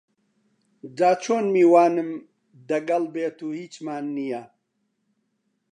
جاچون میوانم دەگەل بێت و هیچمان نییە